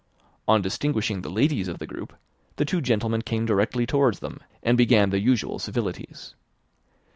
On distinguishing the ladies of the group the two gentlemen came directly towards them, and began the usual civilities.